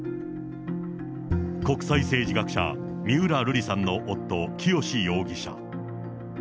国際政治学者、三浦瑠麗さんの夫、清志容疑者。